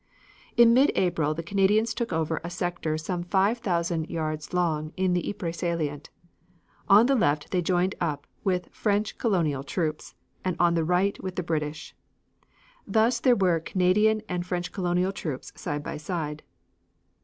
In mid April the Canadians took over a sector some five thousand yards long in the Ypres salient. On the left they joined up with French colonial troops, and on their right with the British. Thus there were Canadian and French colonial troops side by side.